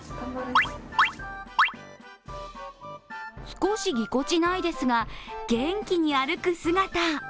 少しぎこちないですが、元気に歩く姿。